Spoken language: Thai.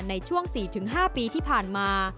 ในช่วง๔๕ปีที่ผ่านมา